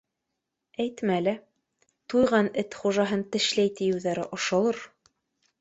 — Әйтмә лә, туйған эт хужаһын тешләй тиеүҙәре ошолор.